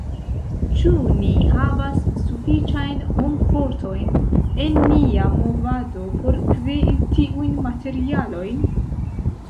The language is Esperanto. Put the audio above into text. Ĉu ni havas sufiĉajn hom-fortojn en nia movado por krei tiujn materialojn?